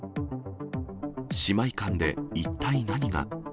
姉妹間で一体何が。